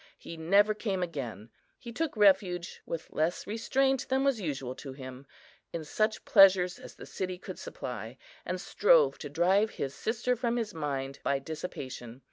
He never came again. He took refuge, with less restraint than was usual to him, in such pleasures as the city could supply, and strove to drive his sister from his mind by dissipation.